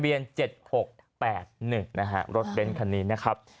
ทะเบียน๗๖๘๑รถเบ้นคันนี้นะครับ